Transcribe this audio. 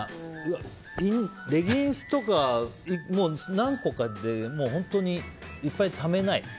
レギンスとか何個かで本当にいっぱいためない？